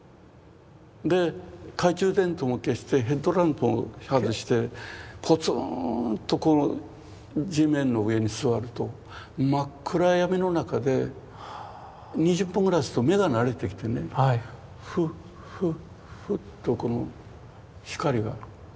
で懐中電灯も消してヘッドランプも外してポツーンとこの地面の上に座ると真っ暗闇の中で２０分ぐらいすると目が慣れてきてねふっふっふっとこの光が光が見えてくるんですね。